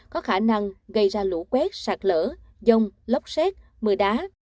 có khả năng gây ra lũ quét sạt lở dông lốc xét mưa đá